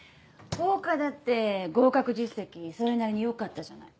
桜花だって合格実績それなりに良かったじゃない。